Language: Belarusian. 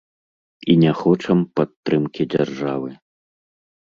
І не хочам падтрымкі дзяржавы.